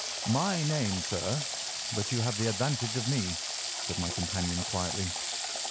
"My name, sir; but you have the advantage of me," said my companion quietly.